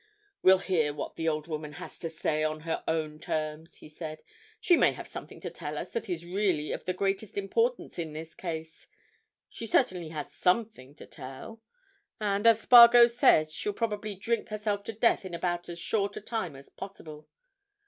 "We'll hear what the old woman has to say on her own terms," he said. "She may have something to tell that is really of the greatest importance in this case: she certainly has something to tell. And, as Spargo says, she'll probably drink herself to death in about as short a time as possible.